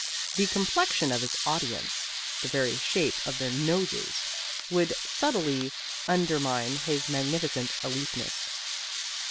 The complexion of his audience, the very shape of their noses, would subtly undermine his magnificent aloofness.